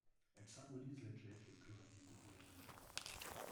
Elle symbolise l'athlète le plus rapide de l'année.